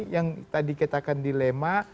yang tadi kita akan dilema